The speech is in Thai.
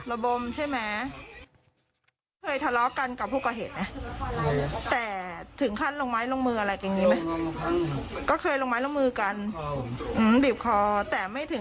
ลูกขายให้ลูกก็ตบโดนเต่